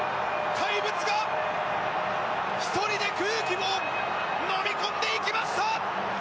怪物が１人で空気をのみ込んでいきました！